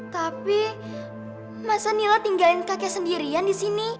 tapi masa nila tinggalin kakek sendirian disini